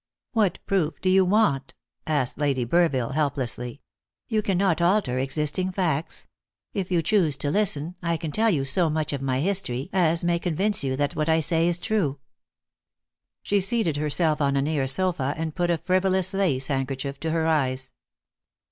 "What proof do you want?" asked Lady Burville helplessly. "You cannot alter existing facts. If you choose to listen, I can tell you so much of my history as may convince you that what I say is true." She seated herself on a near sofa, and put a frivolous lace handkerchief to her eyes.